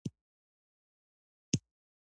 خو پادري دغه خبره یوه ټوکه وګڼل.